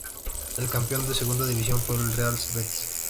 El campeón de Segunda División fue el Real Betis.